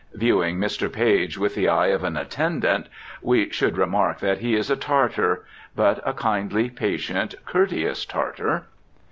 Viewing Mr. Page with the eye of an attendant, we should remark that he is a Tartar. But a kindly, patient, courteous Tartar.